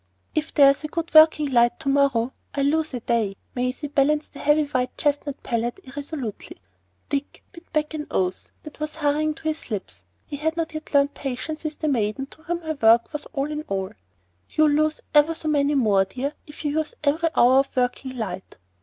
"If there's a good working light to morrow, I lose a day." Maisie balanced the heavy white chestnut palette irresolutely. Dick bit back an oath that was hurrying to his lips. He had not yet learned patience with the maiden to whom her work was all in all. "You'll lose ever so many more, dear, if you use every hour of working light.